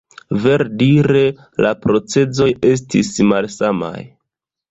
Verdire, la procezoj estis malsamaj.